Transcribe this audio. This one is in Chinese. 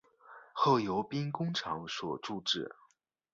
后由兵工厂所铸制。